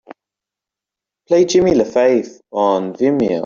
Play Jimmy Lafave on Vimeo.